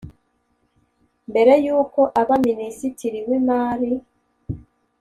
Mbere y’uko aba Minisitiri w’imari